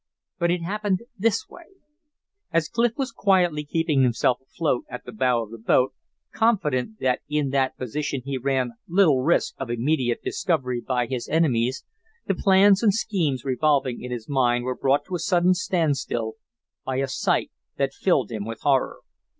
But it happened this way: As Clif was quietly keeping himself afloat at the bow of the boat, confident that in that position he ran little risk of immediate discovery by his enemies, the plans and schemes revolving in his mind were brought to a sudden standstill by a sight that filled him with horror.